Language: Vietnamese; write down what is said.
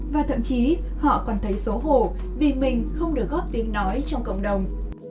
và thậm chí họ còn thấy xấu hổ vì mình không được góp tiếng nói trong cộng đồng